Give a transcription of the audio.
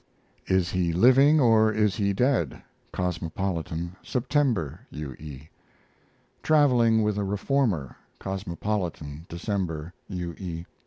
IS HE LIVING OR IS HE DEAD? Cosmopolitan, September. U. E. TRAVELING WITH A REFORMER Cosmopolitan, December. U. E.